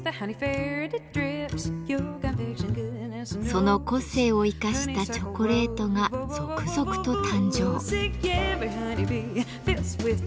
その個性を生かしたチョコレートが続々と誕生。